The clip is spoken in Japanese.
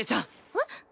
えっ？